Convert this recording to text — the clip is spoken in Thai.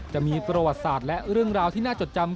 จะมีประวัติศาสตร์และเรื่องราวที่น่าจดจำ